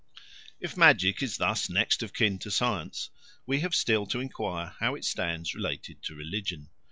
If magic is thus next of kin to science, we have still to enquire how it stands related to religion.